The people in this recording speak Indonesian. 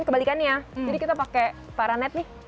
kebalikannya jadi kita pakai paranet nih